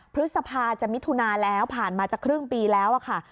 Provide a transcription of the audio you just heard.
พฤษภาจะมิถุนาแล้วผ่านมาจะครึ่งปีแล้วค่ะ